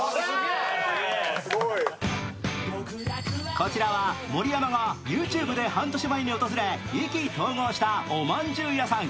こちらは盛山がＹｏｕＴｕｂｅで半年前に訪れ意気投合したおまんじゅう屋さん